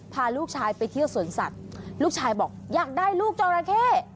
พาลูกชายไปเที่ยวสวนสัตว์ลูกชายบอกอยากได้ลูกจอราเข้